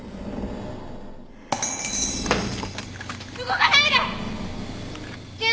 動かないで！